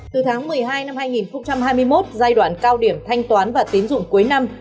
từ tháng một mươi hai năm hai nghìn hai mươi một giai đoạn cao điểm thanh toán và tín dụng cuối năm